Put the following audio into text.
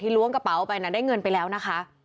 ล้วงกระเป๋าไปน่ะได้เงินไปแล้วนะคะ